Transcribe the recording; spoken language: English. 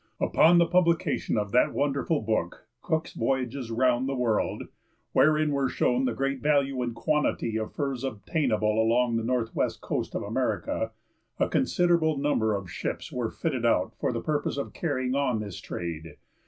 Upon the publication of that wonderful book, Cook's Voyages round the World, wherein were shown the great value and quantity of furs obtainable along the northwest coast of America, a considerable number of ships were fitted out for the purpose of carrying on this trade.